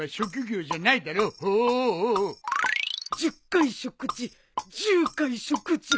１０回食事１０回食事。